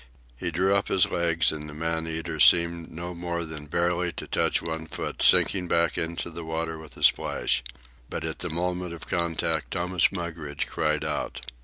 He drew up his legs, and the man eater seemed no more than barely to touch one foot, sinking back into the water with a splash. But at the moment of contact Thomas Mugridge cried out.